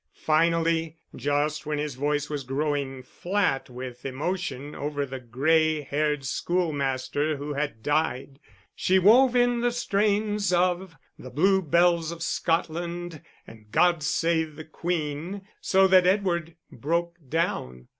Finally, just when his voice was growing flat with emotion over the gray haired schoolmaster who had died, she wove in the strains of the Blue Bells of Scotland and God Save the Queen, so that Edward broke down.